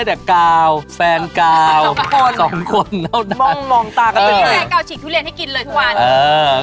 รู้ว่าเจอตัวเองไปแล้ว